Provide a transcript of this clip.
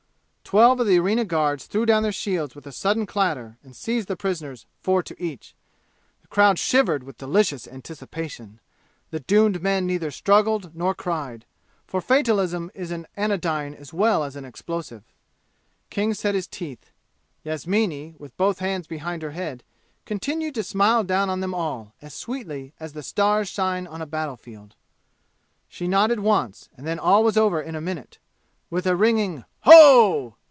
Twelve of the arena guards threw down their shields with a sudden clatter and seized the prisoners, four to each. The crowd shivered with delicious anticipation. The doomed men neither struggled nor cried, for fatalism is an anodyne as well as an explosive. King set his teeth. Yasmini, with both hands behind her head, continued to smile down on them all as sweetly as the stars shine on a battle field. She nodded once; and then all was over in a minute. With a ringing "Ho!"